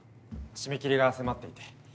締め切りが迫っていて。